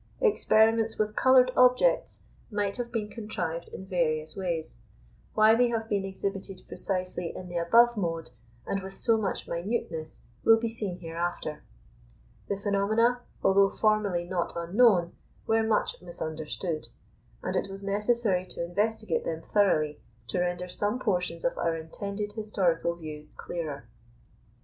Experiments with coloured objects might have been contrived in various ways: why they have been exhibited precisely in the above mode, and with so much minuteness, will be seen hereafter. The phenomena, although formerly not unknown, were much misunderstood; and it was necessary to investigate them thoroughly to render some portions of our intended historical view clearer.